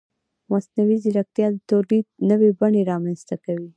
مصنوعي ځیرکتیا د تولید نوې بڼې رامنځته کوي.